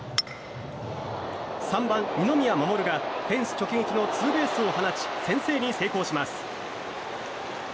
３番、二宮士がフェンス直撃のツーベースを放ち先制に成功します。